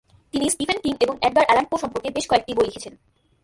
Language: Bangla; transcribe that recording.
তিনি স্টিফেন কিং এবং এডগার অ্যালান পো সম্পর্কে বেশ কয়েকটি বই লিখেছেন।